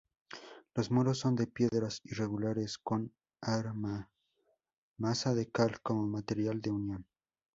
Los muros son de piedras irregulares con argamasa de cal como material de unión.